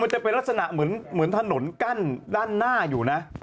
มันจะเป็นลักษณะเหมือนถนนกั้นด้านหน้าอยู่นะ